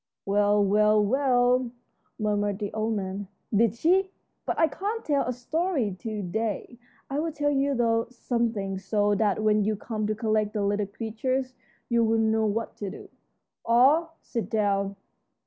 "Well, well, well," murmured the old man, "did she? But I can't tell a story to day. I'll tell you, though, something, so that when you come to collect the little creatures you'll know what to do. All sit down."